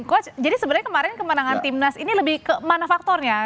coach jadi sebenarnya kemarin kemenangan timnas ini lebih kemana faktornya